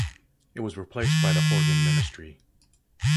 It was replaced by the Horgan ministry.